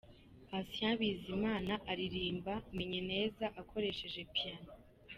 Patient Bizimana aririmba “Menye neza” akoresheje Piano.